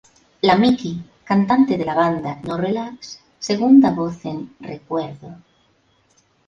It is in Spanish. La Miki, cantante de la banda No Relax, segunda voz en “Recuerdo".